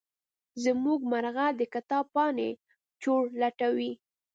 زمونږ مرغه د کتاب پاڼې چورلټوي.